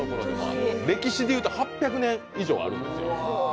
歴史でいうと８００年以上あるんですよ。